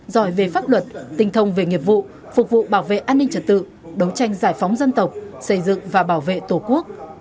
giỏi về pháp luật tình thông về nghiệp vụ phục vụ bảo vệ an ninh trật tự đấu tranh giải phóng dân tộc xây dựng và bảo vệ tổ quốc